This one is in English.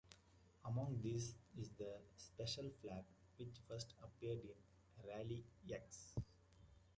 Among these is the "special flag" which first appeared in "Rally-X".